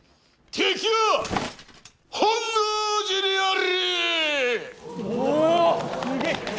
敵は本能寺にあり！